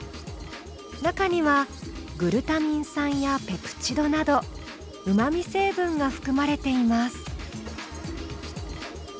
中にはグルタミン酸やペプチドなどうまみ成分が含まれています。